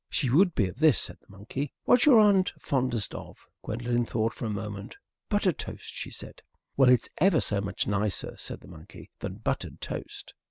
"She would be of this," said the monkey. "What's your aunt fondest of?" Gwendolen thought for a moment. "Buttered toast," she said. "Well, it's ever so much nicer," said the monkey, "than buttered toast."